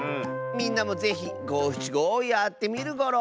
みんなもぜひごしちごをやってみるゴロ！